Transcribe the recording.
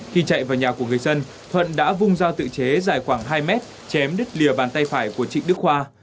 khi chạy vào nhà của người dân thuận đã vung dao tự chế dài khoảng hai mét chém đứt lìa bàn tay phải của trịnh đức khoa